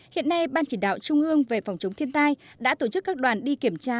hiện nay ban chỉ đạo trung ương về phòng chống thiên tai đã tổ chức các đoàn đi kiểm tra